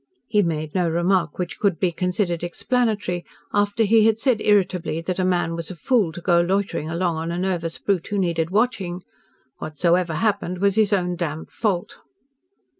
He made no remark which could be considered explanatory, after he had said irritably that a man was a fool to go loitering along on a nervous brute who needed watching. Whatsoever happened was his own damned fault.